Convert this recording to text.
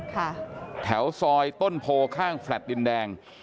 ค่ะแถวซอยต้นโพค่างแฟลตดินแดง